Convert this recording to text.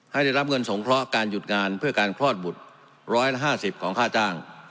ให้ได้รับเงินสงเคราะห์การหยุดงานเพื่อการคลอดบุตร๑๕๐ของค่าจ้าง